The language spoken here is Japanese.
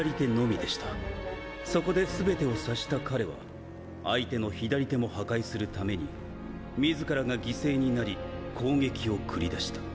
そこで全てを察した彼は相手の左手も破壊するために自らが犠牲になり攻撃を繰り出した。